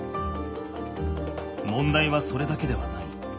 問題はそれだけではない。